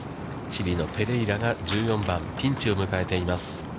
チリのペレイラが１４番、ピンチを迎えています。